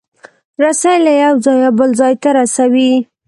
رسۍ له یو ځایه بل ځای ته رسوي.